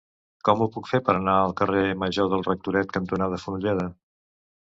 Com ho puc fer per anar al carrer Major del Rectoret cantonada Fonolleda?